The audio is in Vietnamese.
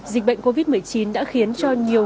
dịch bệnh covid một mươi chín đã khiến cho nhiều